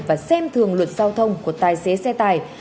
và xem thường luật giao thông của tài xế xe tài